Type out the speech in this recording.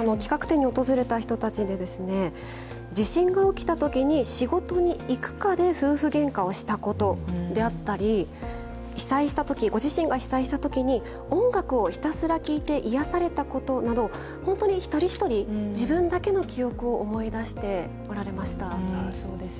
企画展に訪れた人たちで、地震が起きたときに仕事に行くかで夫婦げんかをしたことであったり、被災したとき、ご自身が被災したときに、音楽をひたすら聴いて癒やされたことなど、本当に一人一人、自分だけの記憶を思い出しておられました。